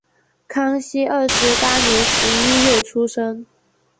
康熙二十八年十一月出生。